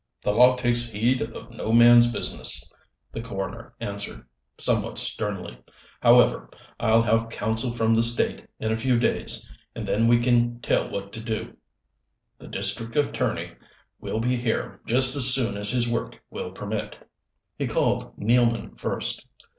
"The law takes heed of no man's business," the coroner answered, somewhat sternly. "However, I'll have counsel from the state in a few days, and then we can tell what to do. The district attorney will be here just as soon as his work will permit." He called Nealman first.